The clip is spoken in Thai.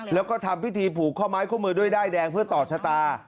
แล้วก็ทำพิธีผูกข้อไม้ข้อมือด้วยด้ายแดงเพื่อต่อชะตา